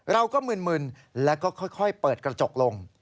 เราก็มึนและค่อยเปิดกระจกลง